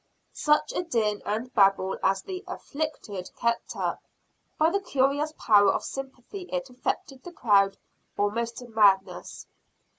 Such a din and babel as the "afflicted" kept up! By the curious power of sympathy it affected the crowd almost to madness.